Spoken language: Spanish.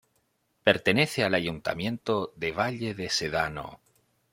Pertenece al Ayuntamiento de Valle de Sedano.